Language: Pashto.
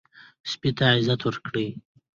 سپي ته عزت ورکړئ.